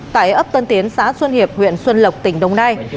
tại ấp tân tiến xã xuân hiệp huyện xuân lộc tỉnh đồng nai